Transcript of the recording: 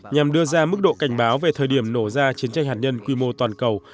nhằm đưa ra mức độ cảnh báo về thời điểm nổ ra chiến tranh hạt nhân quy mô toàn cầu